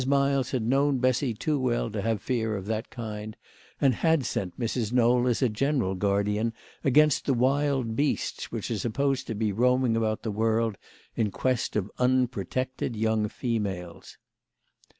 Miles had known Bessy too well to have fear of that kind, and had sent Mrs. Knowl as general guardian against the wild beasts which are supposed to be roaming about the world in quest of unprotected young females.